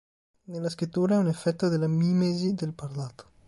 Nella scrittura è un effetto della mimesi del parlato.